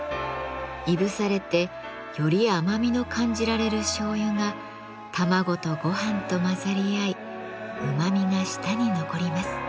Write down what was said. いぶされてより甘みの感じられるしょうゆが卵とごはんと混ざり合いうまみが舌に残ります。